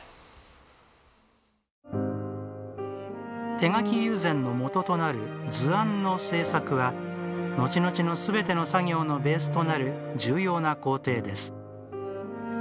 手描き友禅の元となる図案の製作はのちのちのすべての作業のベースとなる、重要な工程です。